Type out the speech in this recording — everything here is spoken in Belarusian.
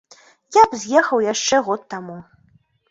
Я б з'ехаў яшчэ год таму.